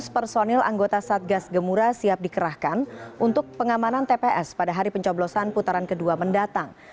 lima ratus personil anggota satgas gemura siap dikerahkan untuk pengamanan tps pada hari pencoblosan putaran kedua mendatang